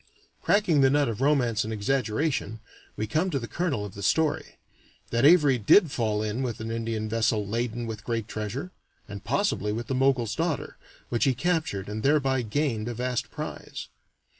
Cracking the nut of romance and exaggeration, we come to the kernel of the story that Avary did fall in with an Indian vessel laden with great treasure (and possibly with the Mogul's daughter), which he captured, and thereby gained a vast prize.